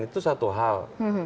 itu satu hal